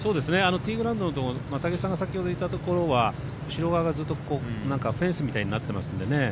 ティーグラウンドのところ武井さんが先ほどいたところは後ろ側がフェンスみたいになってますのでね。